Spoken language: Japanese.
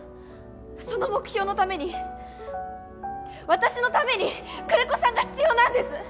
その目標のために私のために久連木さんが必要なんです！